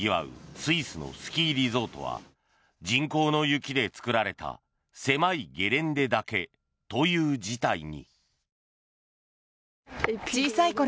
スイスのスキーリゾートは人工の雪で作られた狭いゲレンデだけという事態に。